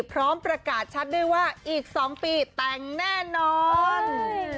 พร้อมประกาศชัดด้วยว่าอีก๒ปีแต่งแน่นอน